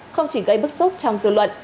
không chỉ gây bức xúc trong dự luận